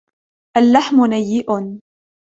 اللحم نيء.